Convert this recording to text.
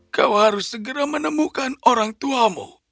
kau harus segera menemukan orang tuamu